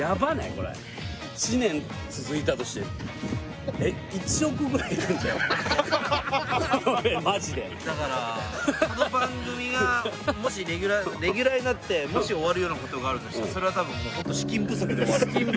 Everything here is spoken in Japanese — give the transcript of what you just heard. これ１年続いたとしてえっこれマジでだからこの番組がもしレギュラーになって終わるようなことがあるとしたらそれは多分資金不足です